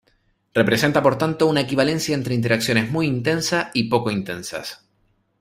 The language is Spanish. Representa, por tanto, una equivalencia entre interacciones muy intensa y poco intensas.